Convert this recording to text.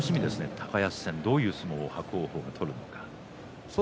高安戦、どういう相撲を取るか。